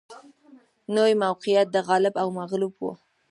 نوي موقعیت د غالب او مغلوب و